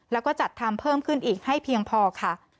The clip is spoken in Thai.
แล้วก็จัดทำเพิ่มขึ้นอีกให้เพียงพอค่ะ